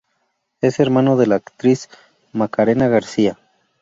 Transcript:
Es hermano de la actriz Macarena García.